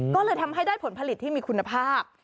ก็เลยทำให้ได้ผลผลิตที่มีคุณภาพ